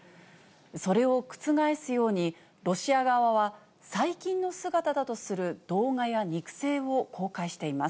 それを覆すように、ロシア側は、最近の姿だとする動画や肉声を公開しています。